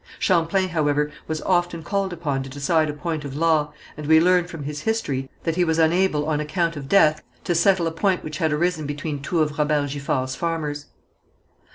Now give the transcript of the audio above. Champlain, however, was often called upon to decide a point of law, and we learn from his history that he was unable on account of death to settle a point which had arisen between two of Robert Giffard's farmers.